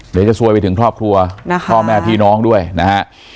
เดี๋ยวจะซวยไปถึงครอบครัวพ่อแม่พี่น้องด้วยนะฮะ